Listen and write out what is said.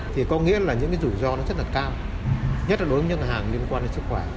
thì có nghĩa là những cái rủi ro nó rất là cao nhất là đối với ngân hàng liên quan đến sức khỏe